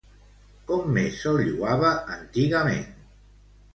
Com més se'l lloava antigament?